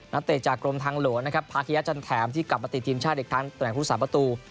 นักเตะจากกรมทางหลวนนะครับพาขยะจันแถมที่กลับมาติดทีมชาติเด็กทางต่อแห่งฟุตสาปประตู